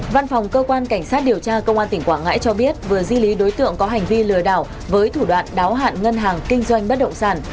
văn phòng cơ quan cảnh sát điều tra công an tỉnh quảng ngãi cho biết vừa di lý đối tượng có hành vi lừa đảo với thủ đoạn đáo hạn ngân hàng kinh doanh bất động sản